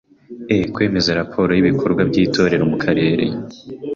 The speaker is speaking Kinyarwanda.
e. Kwemeza raporo y’ibikorwa by’Itorero mu Karere